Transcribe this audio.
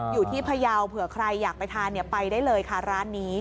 ๐๖๑๓๒๔๓๕๘๐อยู่ที่พยาวเผื่อใครอยากไปทานไปได้เลยค่ะร้านนี้